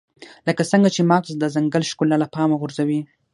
لکه څنګه چې مغز د ځنګل ښکلا له پامه غورځوي.